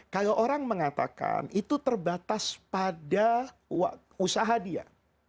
kalau orang mengatakan itu terbatas pada usaha dia